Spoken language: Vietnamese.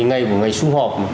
ngày của ngày xung họp